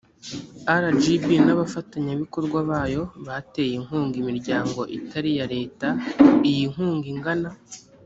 rgb n abafatanyabikorwa bayo bateye inkunga imiryango itari iya leta iyi nkunga ingana